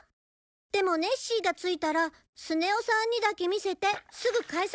でもネッシーが着いたらスネ夫さんにだけ見せてすぐ帰さなきゃ。